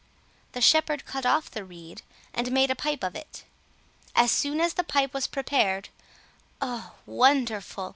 The shepherd cut off the reed, and made a pipe of it. As soon as the pipe was prepared, oh, wonderful!